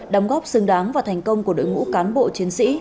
đóng góp xứng đáng và thành công của đội ngũ cán bộ chiến sĩ